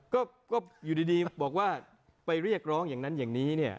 ก็อยู่ดีบอกว่าไปเรียกร้องอย่างนั้นอย่างนี้เนี่ย